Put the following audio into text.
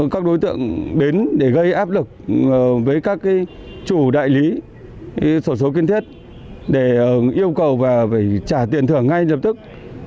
các đối tượng đến để gây áp lực với các chủ đại lý sổ số kiên thiết để yêu cầu và phải trả tiền thưởng ngay lập tức